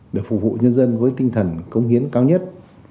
để phục vụ nhân dân với tinh thần công hiến cao nhất